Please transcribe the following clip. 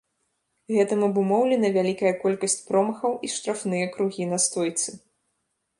Гэтым абумоўлена вялікая колькасць промахаў і штрафныя кругі на стойцы.